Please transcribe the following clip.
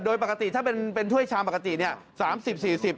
โดยปกติถ้าเป็นถ้วยชามปกติเนี่ย๓๐๔๐บาท